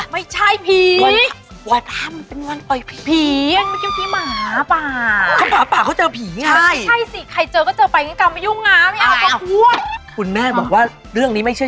ว้าวแหละแม่พูดถึงวันพระอภิษฐ์เคยได้ยินเรื่องนึง